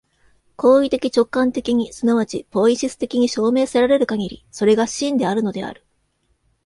行為的直観的に即ちポイエシス的に証明せられるかぎり、それが真であるのである。